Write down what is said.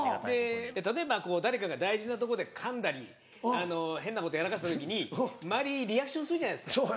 例えば誰かが大事なとこでかんだり変なことやらかした時に周りリアクションするじゃないですか。